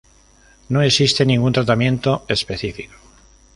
No existe ningún tratamiento específico.